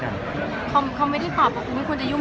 เขาไม่ได้ตอบว่าคุณไม่ควรจะยุ่ง